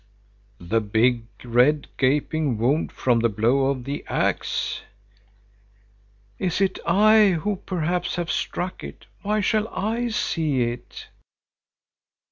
"The big, red, gaping wound from the blow of the axe?" "Is it I who perhaps have struck it? Why shall I see it?"